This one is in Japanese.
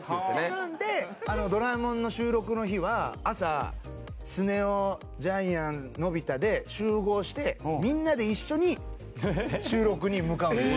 なので『ドラえもん』の収録の日は朝スネ夫ジャイアンのび太で集合してみんなで一緒に収録に向かうんです。